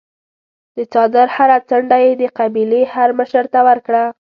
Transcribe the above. د څادر هره څنډه یې د قبیلې هرمشر ته ورکړه.